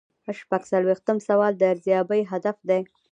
شپږ څلویښتم سوال د ارزیابۍ هدف دی.